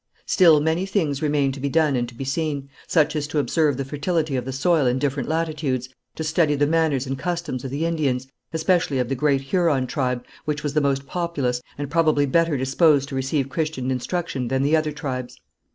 Still many things remained to be done and to be seen, such as to observe the fertility of the soil in different latitudes, to study the manners and customs of the Indians, especially of the great Huron tribe, which was the most populous and probably better disposed to receive Christian instruction than the other tribes.